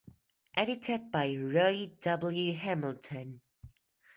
Edited by Roy W. Hamilton.